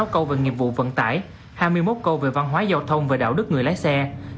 hai mươi sáu câu về nghiệp vụ vận tải hai mươi một câu về văn hóa giao thông và đạo đức người lái xe